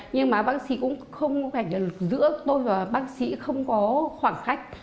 nhưng mà bác sĩ cũng không phải là giữa tôi và bác sĩ không có khoảng cách